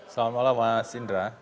selamat malam mas indra